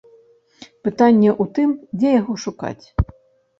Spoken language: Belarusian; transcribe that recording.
Пытанне ў тым, дзе яго шукаць.